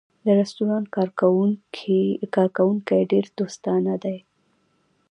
د رستورانت کارکوونکی ډېر دوستانه دی.